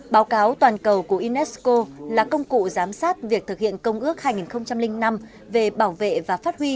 báo cáo toàn cầu của unesco là công cụ giám sát việc thực hiện công ước hai nghìn năm về bảo vệ và phát huy